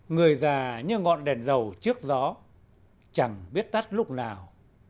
người già như ngọn đèn dầu trước gió chẳng biết tắt lúc nào